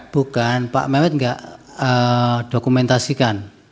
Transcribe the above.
bukan pak mehmet enggak dokumentasikan